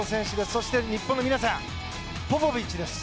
そして日本の皆さんポポビッチです。